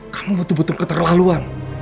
kamu butuh butuh keterlaluan